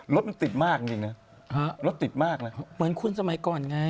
รถมันติดมากจริงจริงนะรถติดมากเลยเหมือนคุณสมัยก่อนไง